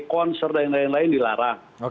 semua kegiatan seperti konser dan lain lain dilarang